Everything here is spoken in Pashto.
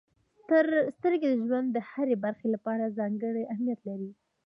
•سترګې د ژوند د هرې برخې لپاره ځانګړې اهمیت لري.